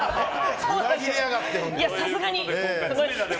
裏切りやがってよ。